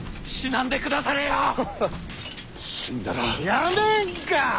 やめんか！